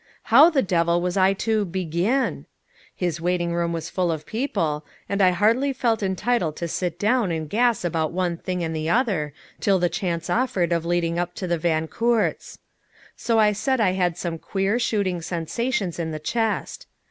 How the devil was I to begin? His waiting room was full of people, and I hardly felt entitled to sit down and gas about one thing and the other till the chance offered of leading up to the Van Coorts. So I said I had some queer, shooting sensations in the chest.